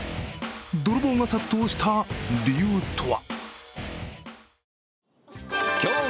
泥棒が殺到した理由とは。